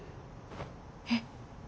えっ？